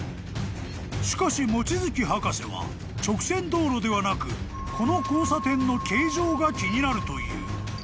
［しかし望月博士は直線道路ではなくこの交差点の形状が気になるという］